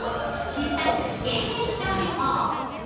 必殺減塩調理法。